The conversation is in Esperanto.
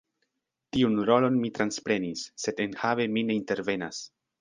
Tiun rolon mi transprenis, sed enhave mi ne intervenas.